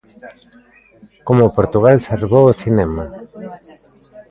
'Como Portugal salvou o cinema'.